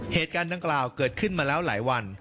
เหตุการณ์ดังกล่าวเกิดขึ้นมาแล้วหลายวัน